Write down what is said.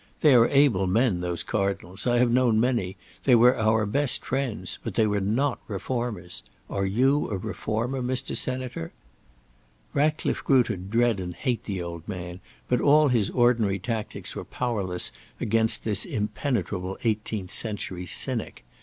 They are able men, those cardinals; I have known many; they were our best friends, but they were not reformers. Are you a reformer, Mr. Senator?" Ratcliffe grew to dread and hate the old man, but all his ordinary tactics were powerless against this impenetrable eighteenth century cynic.